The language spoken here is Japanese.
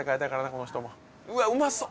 この人もうわっうまそう！